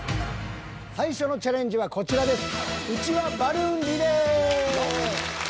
最初のチャレンジはこちらです。